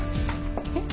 えっ？